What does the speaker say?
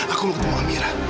aku mau ketemu amira